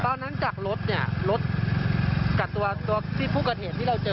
ตอนนั้นจากรถนี่รถกับตัวที่ผู้กระเทศที่เราเจอ